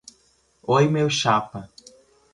Oi, meu chapa